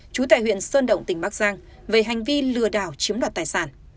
chú tài huyện sơn động tỉnh bắc giang về hành vi lừa đảo chiếm đoạt tài sản